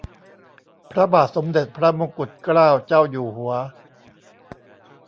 พระบาทสมเด็จพระมงกุฏเกล้าเจ้าอยู่หัว